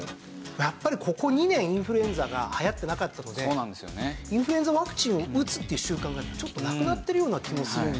やっぱりここ２年インフルエンザが流行ってなかったのでインフルエンザワクチンを打つっていう習慣がちょっとなくなってるような気もするんですけれども。